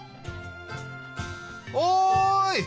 おい！